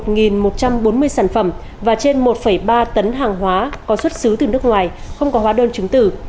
nguyên sản phẩm và trên một ba tấn hàng hóa có xuất xứ từ nước ngoài không có hóa đơn chứng tử